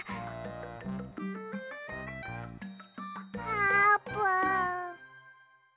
あーぷん。